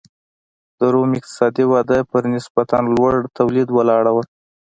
د روم اقتصادي وده پر نسبتا لوړ تولید ولاړه وه